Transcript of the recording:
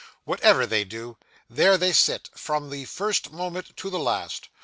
Whatever they do, there they sit from the first moment to the last.